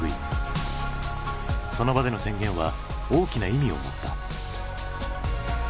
その場での宣言は大きな意味を持った。